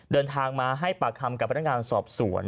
เดินทางมาให้ปากคำกับพนักงานสอบสวน